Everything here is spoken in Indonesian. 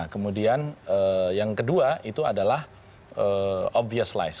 kemudian yang kedua itu adalah obvious lies